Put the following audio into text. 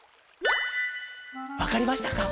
わかりましたか？